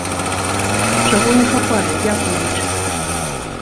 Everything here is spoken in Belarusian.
Чаго не хапае, як вы лічыце?